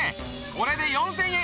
これで４０００円